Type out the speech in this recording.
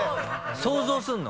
想像するの？